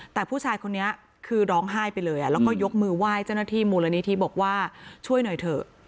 แต่ผู้ชายคนนี้คือร้องไห้ไปเลยแล้วก็ยกมือไหว้เจ้าหน้าที่มูลนิธิบอกว่าช่วยหน่อยเถอะ